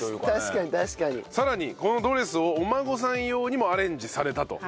さらにこのドレスをお孫さん用にもアレンジされたと。